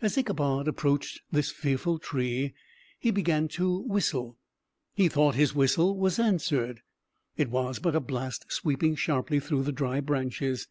As Ichabod approached this fearful tree he began to whistle; he thought his whistle was answered: it was but a blast sweeping sharply through the dry branches.